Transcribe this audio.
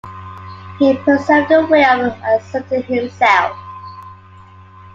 He perceived a way of asserting himself.